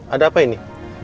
ada apa ini